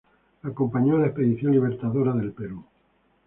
Acompañó a la Expedición Libertadora del Perú.